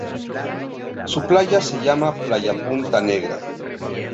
Su playa se llama Playa Punta Negra.